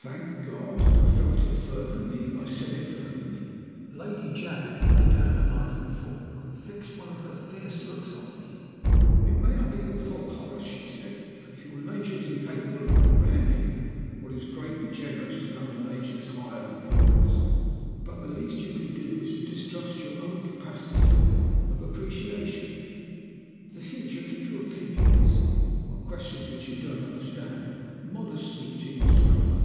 "'Thank God!' I felt it fervently, and I said it fervently. Lady Janet laid down her knife and fork, and fixed one of her fierce looks on me. "'It may not be your fault, Horace,' she said, 'if your nature is incapable of comprehending what is great and generous in other natures higher than yours. But the least you can do is to distrust your own capacity of appreciation. For the future keep your opinions (on questions which you don't understand) modestly to yourself.